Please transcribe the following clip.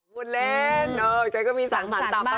พูดเล่นใช้ก็มีสั่งสรรค์ต่อประสาน